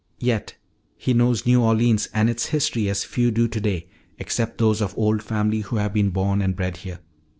"Yet he knows New Orleans and its history as few do today except those of old family who have been born and bred here.